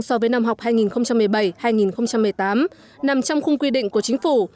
so với năm học hai nghìn một mươi bảy hai nghìn một mươi tám nằm trong khung quy định của chính phủ